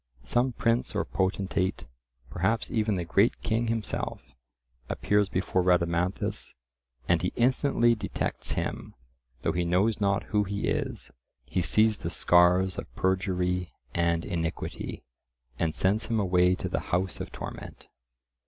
Some prince or potentate, perhaps even the great king himself, appears before Rhadamanthus, and he instantly detects him, though he knows not who he is; he sees the scars of perjury and iniquity, and sends him away to the house of torment.